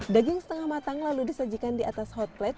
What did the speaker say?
daging setengah matang lalu disajikan di atas hot plate